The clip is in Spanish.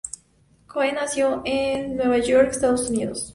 Cohen nació en Nueva York, Estados Unidos.